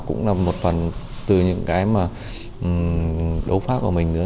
cũng là một phần từ những cái mà đấu pháp của mình nữa